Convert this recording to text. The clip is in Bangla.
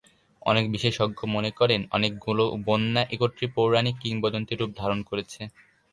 অনেক বিশেষজ্ঞ মনে করেন অনেক গুলো বন্যা একত্রে পৌরাণিক কিংবদন্তী রূপ ধারণ করেছে।